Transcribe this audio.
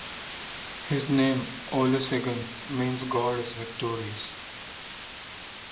His name, Olusegun, means "God is victorious".